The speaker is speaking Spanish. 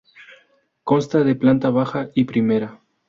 Consta de planta baja y primera.